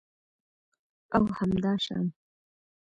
او همداشان